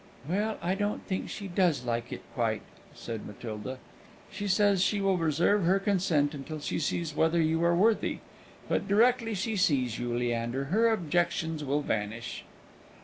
"Well, I don't think she does like it quite," said Matilda. "She says she will reserve her consent till she sees whether you are worthy; but directly she sees you, Leander, her objections will vanish."